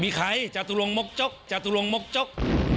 มีใครจตุรงมกจกจตุรงมกจก